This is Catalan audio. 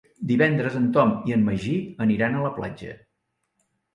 Divendres en Tom i en Magí aniran a la platja.